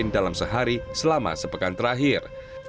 dalam sehari selama sepekan terakhir